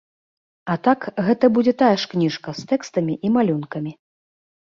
А так, гэта будзе тая ж кніжка з тэкстамі і малюнкамі.